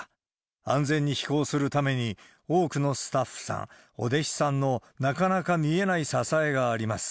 安全に飛行するために、多くのスタッフさん、お弟子さんのなかなか見えない支えがあります。